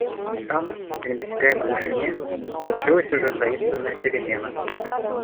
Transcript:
Там, в недосягаемой вышине, совершилась уже таинственная перемена.